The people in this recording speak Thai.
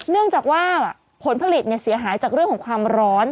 เนื่องจากว่าผลผลิตเสียหายจากเรื่องของความร้อน